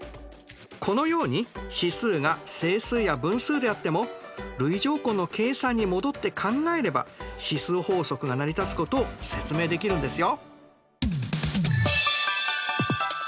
このように指数が整数や分数であっても累乗根の計算に戻って考えれば指数法則が成り立つことを説明できるんですよ。